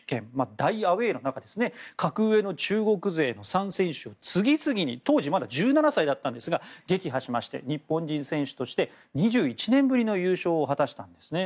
大アウェーの中格上の中国勢の３選手を次々に当時まだ１７歳だったんですが撃破しまして日本人選手として２１年ぶりの優勝を果たしたんですね。